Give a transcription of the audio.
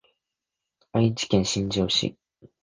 愛知県新城市